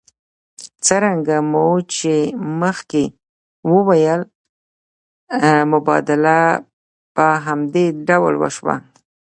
څرنګه مو چې مخکې وویل مبادله په همدې ډول وشوه